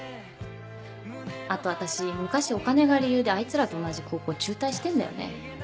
あと私昔お金が理由であいつらと同じ高校中退してんだよね。